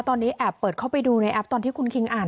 ตอนนี้แอบเปิดเข้าไปดูในแอปตอนที่คุณคิงอ่าน